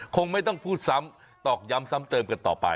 คงไม่ต้องพูดซ้ำตอกย้ำซ้ำเติมกันต่อไป